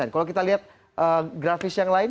kalau kita lihat grafis yang lain